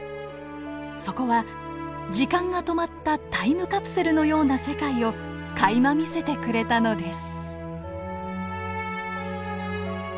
そこは時間が止まったタイムカプセルのような世界をかいま見せてくれたのです。